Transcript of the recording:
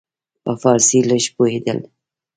په فارسي لږ پوهېدل.